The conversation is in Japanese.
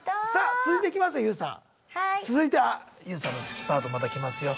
続いてはＹＯＵさんの好きパートまた来ますよ。